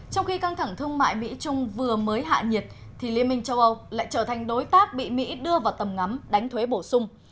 trong khi căng thẳng thương mại mỹ trung vừa mới hạ nhiệt liên minh châu âu lại trở thành đối tác bị mỹ đưa vào tầm ngắm đánh thuế bổ sung